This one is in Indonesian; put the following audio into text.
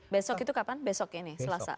besok itu kapan besok ini selasa